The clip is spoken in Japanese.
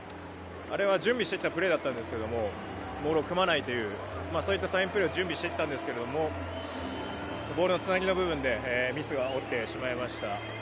あれは準備してきたプレーだったんですがモールを組まないというサインプレーを準備してきたんですけどボールのつなぎの部分でミスが起きてしまいました。